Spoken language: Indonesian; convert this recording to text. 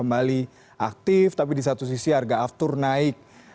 kembali aktif tapi di satu sisi harga aftur naik